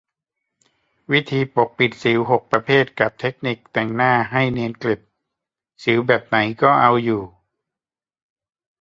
วิธีปกปิดสิว หก ประเภทกับเทคนิคแต่งหน้าให้เนียนกริบ สิวแบบไหนก็เอาอยู่